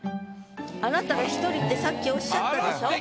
あなたが一人ってさっきおっしゃったでしょ？